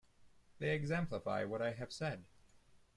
They exemplify what I have said.